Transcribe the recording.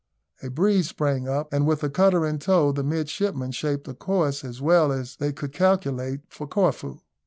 A breeze sprang up, and with the cutter in tow, the midshipmen shaped a course, as well as they could calculate, for Corfu.